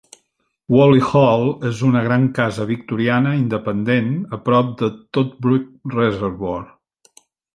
Whaley Hall és una gran casa victoriana independent a prop de Toddbrook Reservoir.